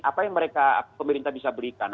apa yang mereka pemerintah bisa berikan